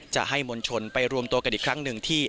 จะให้มวลชนไปรวมตัวกันอีกครั้งหนึ่งที่